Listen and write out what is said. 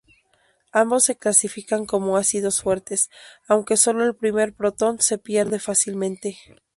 Ambos se clasifican como ácidos fuertes, aunque sólo el primer protón se pierde fácilmente.